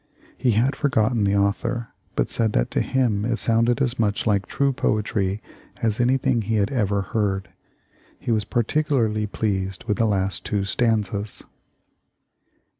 He had forgotten the author, but said that to him it sounded as much like true poetry as anything he had ever heard. He was particularly pleased with the last two stanzas."